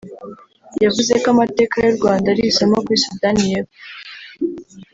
yavuze ko amateka y’u Rwanda ari isomo kuri Sudani y’Epfo